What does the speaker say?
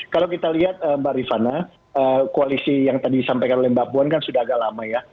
kalau kita lihat mbak rifana koalisi yang tadi disampaikan oleh mbak puan kan sudah agak lama ya